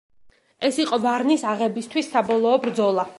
ეს იყო ვარნის აღებისთვის საბოლოო ბრძოლა.